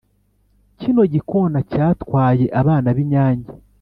kino gikona cyatwaye abana b’inyange,.